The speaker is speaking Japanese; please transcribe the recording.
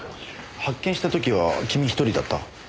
発見した時は君１人だった？